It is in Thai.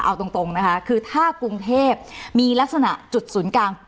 เอาตรงนะคะคือถ้ากรุงเทพมีลักษณะจุดศูนย์กลาง